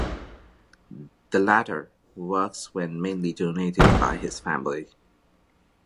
The latter works were mainly donated by his family.